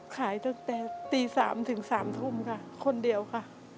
ขายตั้งแต่ตี๓ถึง๓ทุ่มค่ะคนเดียวค่ะ